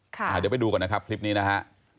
เดี๋ยวไปดูก่อนนะครับคลิปนี้นะฮะ